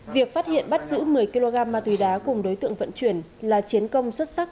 việc phát hiện bắt giữ một mươi kg ma túy đá cùng đối tượng vận chuyển là chiến công xuất sắc